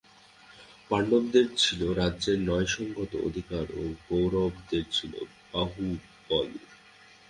পাণ্ডবদের ছিল রাজ্যে ন্যায়সঙ্গত অধিকার, কৌরবদের ছিল বাহুবল।